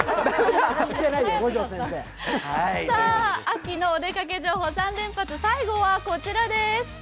秋のお出かけ情報３連発、最後はこちらです。